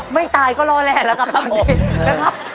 ไม่ตายก็รอแหล่นแล้วครับทั้งนี้